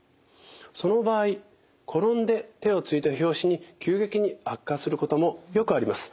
その場合転んで手をついた拍子に急激に悪化することもよくあります。